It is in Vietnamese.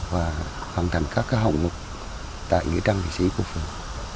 và hoàn thành các hạng mục tại nghĩa trang liệt sĩ quốc phường